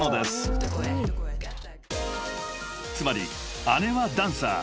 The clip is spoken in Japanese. ［つまり姉はダンサー。